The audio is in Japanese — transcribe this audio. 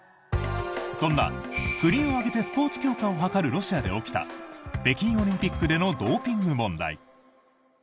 そんな国を挙げてスポーツ強化を図るロシアで起きた北京オリンピックでのドーピング問題。